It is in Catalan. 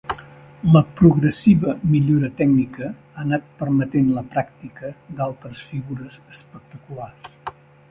La progressiva millora tècnica ha anat permetent la pràctica d'altres figures espectaculars.